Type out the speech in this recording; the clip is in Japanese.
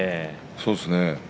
そうですね。